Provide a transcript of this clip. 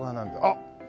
あっ。